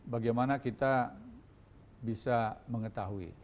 bagaimana kita bisa mengetahui